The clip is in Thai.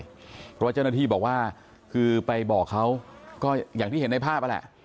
เพราะว่าเจ้าหน้าที่บอกว่าคือไปบอกเขาก็อย่างที่เห็นในภาพนั่นแหละ